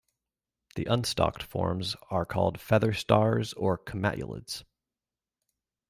The unstalked forms are called feather stars or comatulids.